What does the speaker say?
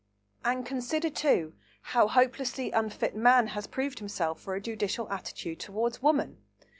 And consider, too, how hopelessly unfit man has proved himself for a judicial attitude towards woman!